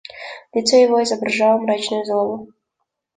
Лицо его изображало мрачную злобу.